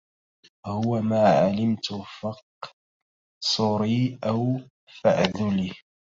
هو ما علمت فأقصري أو فاعذلي